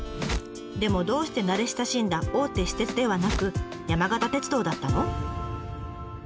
でもどうして慣れ親しんだ大手私鉄ではなく山形鉄道だったの？